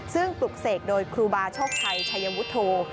ซึ่งปลุกเสกโดยครูบาโชคชัยชัยวุฒโธ